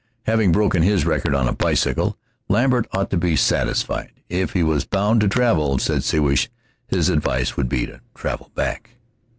Having broken this record on a bicycle, Lambert ought to be satisfied. If he was bound to travel, said Siwash, his advice would be to travel back.